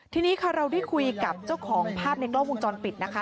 ทีนี้ค่ะเราได้คุยกับเจ้าของภาพในกล้องวงจรปิดนะคะ